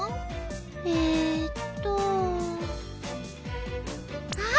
えっとあっ！